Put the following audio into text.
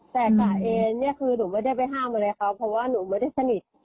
แต่จ่าเองเนี่ยคือหนูไม่ได้ไปห้ามอะไรเขาเพราะว่าหนูไม่ได้สนิท